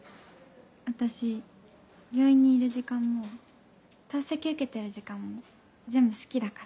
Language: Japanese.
私病院にいる時間も透析受けてる時間も全部好きだから。